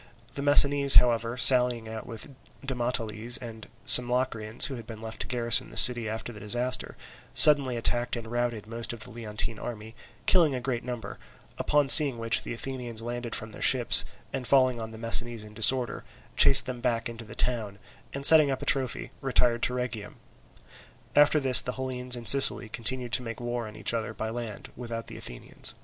The Messinese, however, sallying out with Demoteles and some Locrians who had been left to garrison the city after the disaster, suddenly attacked and routed most of the Leontine army, killing a great number; upon seeing which the Athenians landed from their ships, and falling on the Messinese in disorder chased them back into the town, and setting up a trophy retired to Rhegium. After this the Hellenes in Sicily continued to make war on each other by land, without the Athenians.